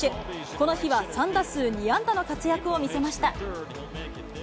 この日は３打数２安打の活躍を見せました。